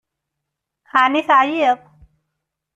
Ɛni teɛyiḍ?